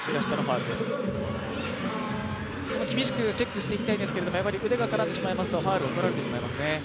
厳しくチェックしていきたいんですけど、腕が絡んでしまうとファウルを取られてしまいますね。